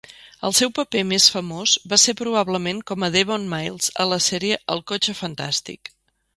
El seu paper més famós va ser probablement com a Devon Miles a la sèrie El cotxe fantàstic.